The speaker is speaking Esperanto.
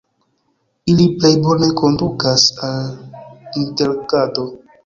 Ili plej bone kondukas al interagado.